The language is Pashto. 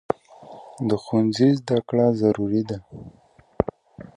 د ښوونځي زده کړه ضروري ده.